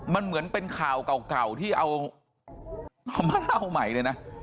มันเหมือนเป็นข่าวเก่าที่เอามาเล่าใหม่เลยนะ